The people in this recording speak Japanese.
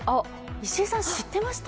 石井さん、知ってました？